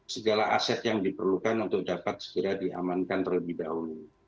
segala aset yang diperlukan untuk dapat segera diamankan terlebih dahulu